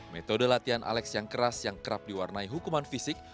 metode latihan alex yang keras yang kerap diwarnai hukuman fisik